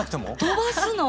飛ばすの。